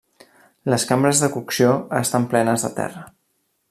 Les cambres de cocció estan plenes de terra.